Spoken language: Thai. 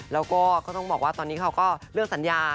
แล้วก็ก็ต้องบอกว่าตอนนี้เขาก็เลือกสัญญา